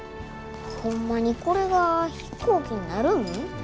ホンマにこれが飛行機になるん？